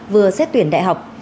vừa xét tuyển đại học